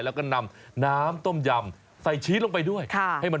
แล้วก็นำน้ำต้มยำใส่ชีสลงไปด้วยให้มัน